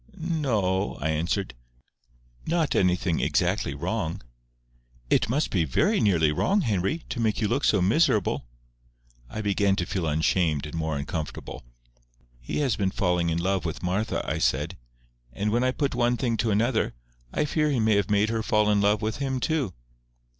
"No—o—o," I answered. "Not anything exactly wrong." "It must be very nearly wrong, Henry, to make you look so miserable." I began to feel ashamed and more uncomfortable. "He has been falling in love with Martha," I said; "and when I put one thing to another, I fear he may have made her fall in love with him too."